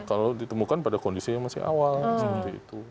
kalau ditemukan pada kondisi yang masih awal seperti itu